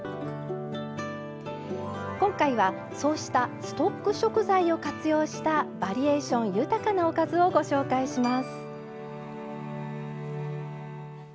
今回はそうしたストック食材を活用したバリエーション豊かなおかずをご紹介します。